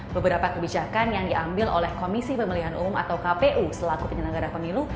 beberapa kebijakan yang diambil oleh komisi pemilihan umum atau kpu selaku penyelenggara pemilu